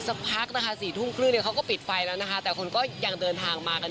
สักพักนะคะ๔ทุ่มครึ่งเนี่ยเขาก็ปิดไฟแล้วนะคะแต่คนก็ยังเดินทางมากัน